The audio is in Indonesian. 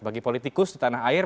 bagi politikus di tanah air